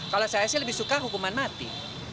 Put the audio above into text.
kalau saya sih lebih suka hukuman mati